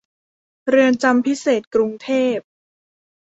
เรือนจำพิเศษกรุงเทพ